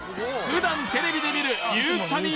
普段テレビで見るゆうちゃみ